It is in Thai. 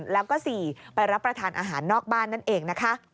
แล้วก็สี่ไปรับประถานอาหารนอกบ้านนั่นเอง